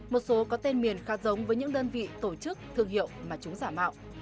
một số có tên miền khác giống với những đơn vị tổ chức thương hiệu mà chúng giả mạo